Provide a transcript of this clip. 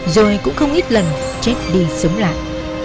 rồi cũng không ít lần chết đi sớm lại